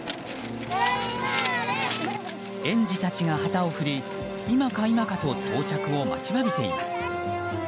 園児たちが旗を振り今か今かと到着を待ちわびています。